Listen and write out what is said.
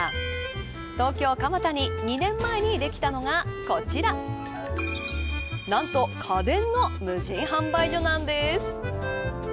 東京・蒲田に２年前にできたのがこちらなんと家電の無人販売所なんです。